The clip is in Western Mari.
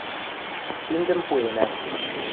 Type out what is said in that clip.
– Киндӹм пуэна...